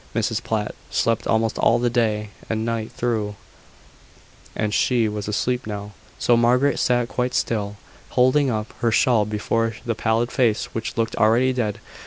Mrs Platt slept almost all the day and night through, and she was asleep now: so Margaret sat quite still, holding up her shawl before the pallid face which looked already dead.